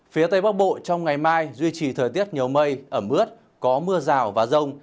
phía tây bắc bộ trong ngày mai duy trì thời tiết nhiều mây ẩm ướt có mưa rào và rông